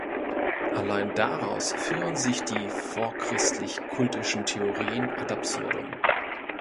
Allein daraus führen sich die vorchristlich-kultischen Theorien ad absurdum.